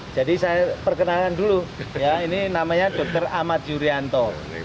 jadi saya perkenalkan dulu ini namanya dr ahmad yuryanto